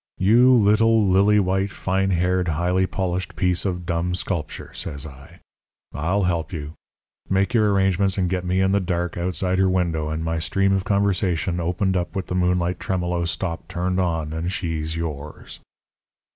"'You little, lily white, fine haired, highly polished piece of dumb sculpture,' says I, 'I'll help you. Make your arrangements and get me in the dark outside her window and my stream of conversation opened up with the moonlight tremolo stop turned on, and she's yours.'